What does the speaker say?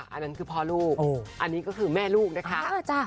อันนั้นคือพ่อลูกอันนี้ก็คือแม่ลูกนะคะ